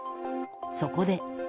そこで。